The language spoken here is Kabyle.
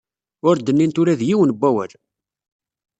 Ur d-nnint ula d yiwen n wawal.